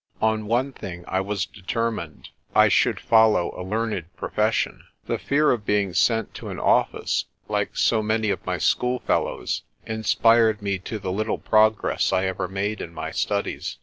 On one thing I was determined: I should follow a learned 26 PRESTER JOHN profession. The fear of being sent to an office, like so many of my schoolfellows, inspired me to the little progress 1 ever made in my studies.